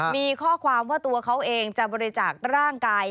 มีข้อความว่าตัวเขาเองจะบริจาคร่างกาย